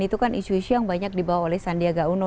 itu kan isu isu yang banyak dibawa oleh sandiaga uno